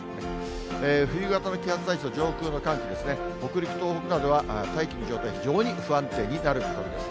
冬型の気圧配置と上空の寒気ですね、北陸、東北などでは大気の状態、非常に不安定になる見込みです。